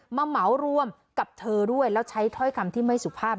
เหมารวมกับเธอด้วยแล้วใช้ถ้อยคำที่ไม่สุภาพ